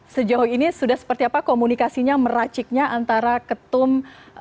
sejauh ini sudah seperti apa komunikasinya meraciknya antara ketua umum dan dpd satu